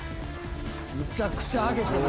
むちゃくちゃハゲてる。